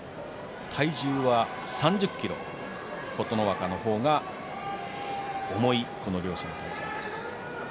体重は３０ｋｇ琴ノ若の方が重い、この両者の対戦です。